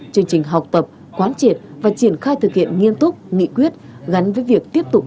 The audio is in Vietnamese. chương trình học tập quán triệt và triển khai thực hiện nghiêm túc nghị quyết gắn với việc tiếp tục